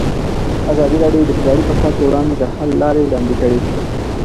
ازادي راډیو د اداري فساد پر وړاندې د حل لارې وړاندې کړي.